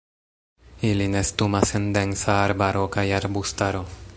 Ili nestumas en densa arbaro kaj arbustaro.